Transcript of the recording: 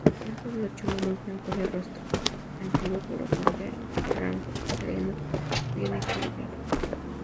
Un pueblo cholo muy blanco de rostro, altivo pero cordial, franco, sereno, bien equilibrado.